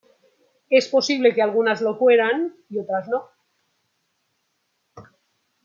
Es posible que algunas lo fueran y otras no.